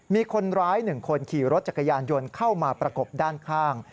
มีคนร้าย๑คนขี่รถจักรยานยนต์เข้ามาประกบด้านข้าง